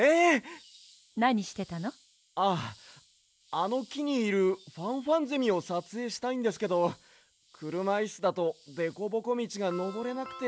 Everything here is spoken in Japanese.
あのきにいるファンファンゼミをさつえいしたいんですけどくるまイスだとデコボコみちがのぼれなくて。